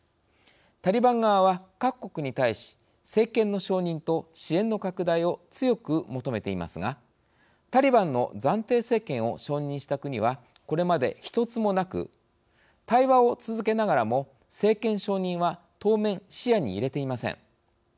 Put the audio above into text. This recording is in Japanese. タリバン側は、各国に対し政権の承認と支援の拡大を強く求めていますがタリバンの暫定政権を承認した国はこれまで１つもなく対話を続けながらも政権承認は当面視野に入れていません。